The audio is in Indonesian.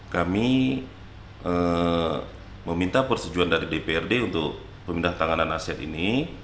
kami meminta persetujuan dari dprd untuk pemindah tangan aset ini